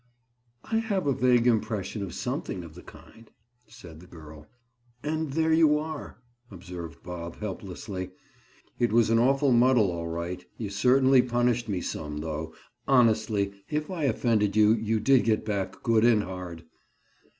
"I have a vague impression of something of the kind," said the girl. "And there you are," observed Bob helplessly. "It was an awful muddle, all right. You certainly punished me some, though. Honestly, if I offended you, you did get back good and hard."